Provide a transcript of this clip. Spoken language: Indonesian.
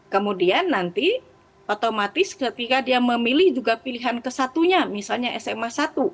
kemudian nanti otomatis ketika dia memilih juga pilihan ke satunya misalnya sma satu